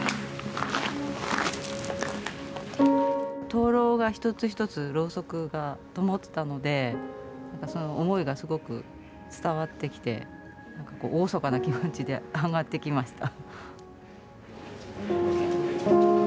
灯籠が一つ一つろうそくが灯っていたのでその思いがすごく伝わってきて厳かな気持ちで上がってきました。